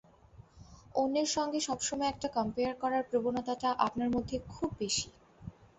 অন্যের সঙ্গে সবসময় একটা কমপেয়ার করার প্রবণতাটা আপনার মধ্যে খুব বেশি।